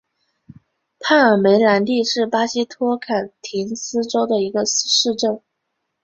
帕尔梅兰蒂是巴西托坎廷斯州的一个市镇。